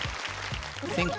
先攻